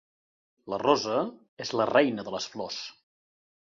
La rosa és la reina de les flors.